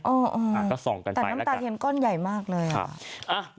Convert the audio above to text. อ่าก็ส่องกันได้แต่น้ำตาเทียนก้อนใหญ่มากเลยอ่ะ